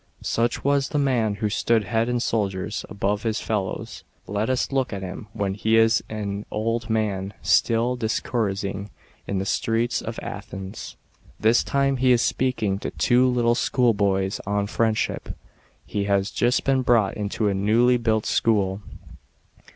Such was the man who stood head and shoulders above his fellows. Let us look at him when he is an B.C. 469 399.] SOCRATES AND f LYSIS. 113 old man still discoursing, in the streets of Athens. This time he is speaking to tw*o little schoolboys on friendship. He has just been brought into a newly built school.